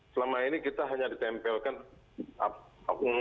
selama ini hanya kita ditempelkan